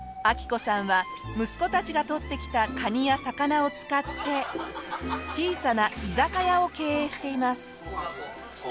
昭子さんは息子たちが取ってきたカニや魚を使って小さな居酒屋を経営しています。